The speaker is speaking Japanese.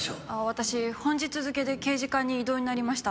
私本日付で刑事課に異動になりました